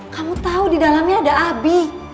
kamu tahu di dalamnya ada abi